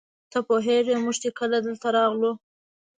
ته پوهېږې موږ چې کله دلته راغلو.